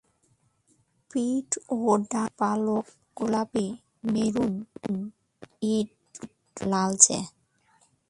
পিঠ ও ডানার পালক গোলাপী-মেরুন বা ইট রঙের লালচে।